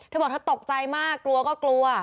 บอกเธอตกใจมากกลัวก็กลัว